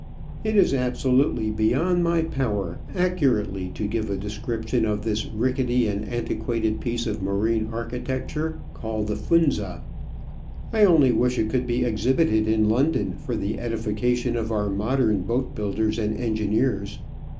It is absolutely beyond my power accurately to give a description of this rickety and antiquated piece of marine architecture, called the Funza ; I only wish it could be exhibited in London for the edification of our modern boat builders and engineers.